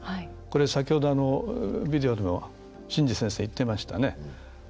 これ先ほど、ビデオでも進士先生、言ってましたね。